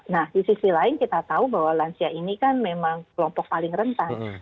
nah di sisi lain kita tahu bahwa lansia ini kan memang kelompok paling rentan